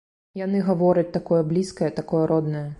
Яны гавораць такое блізкае, такое роднае.